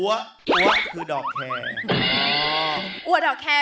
อว่าคือดอกแค